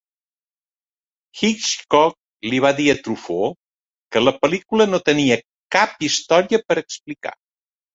Hitchcock li va dir a Truffaut que "La pel·lícula no tenia cap història per explicar".